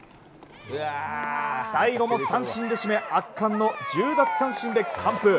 最後も三振で絞め圧巻の１０奪三振で完封。